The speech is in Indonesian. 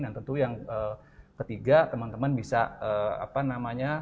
dan tentu yang ketiga teman teman bisa meminta doa restu